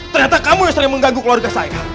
ternyata kamu yang sering mengganggu keluarga saya